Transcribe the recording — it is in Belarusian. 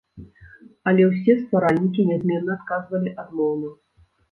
Але ўсе стваральнікі нязменна адказвалі адмоўна.